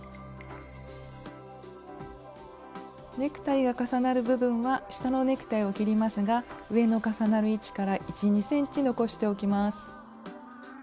ネクタイが重なる部分は下のネクタイを切りますが上の重なる位置から１２ｃｍ残しておきます。